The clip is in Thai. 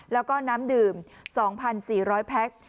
แล้วก็น้ำดื่ม๒๔๐๐แพ็ค